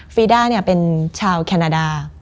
ีด้าเป็นชาวแคนาดา